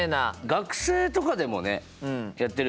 学生とかでもねやってるしね。